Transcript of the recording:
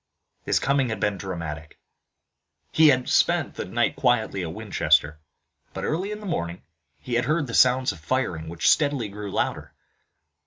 His coming had been dramatic. He had spent the night quietly at Winchester, but, early in the morning, he had heard the sounds of firing which steadily grew louder.